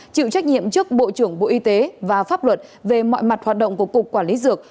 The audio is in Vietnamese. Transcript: chịu trách nhiệm trước bộ trưởng bộ y tế và pháp luật về mọi mặt hoạt động của cục quản lý dược